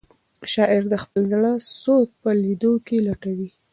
شاعر د خپل زړه سود په لیدو کې لټوي.